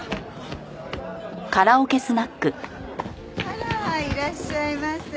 あらいらっしゃいませ。